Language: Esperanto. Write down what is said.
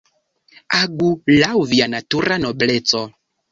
Agu laŭ via natura nobleco.